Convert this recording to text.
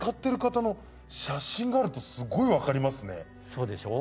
そうでしょう？